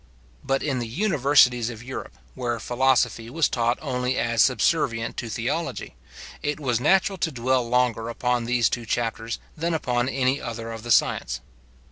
But in the universities of Europe, where philosophy was taught only as subservient to theology, it was natural to dwell longer upon these two chapters than upon any other of the science.